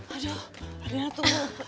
aduh adriana tunggu